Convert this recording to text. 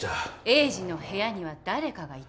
栄治の部屋には誰かがいた。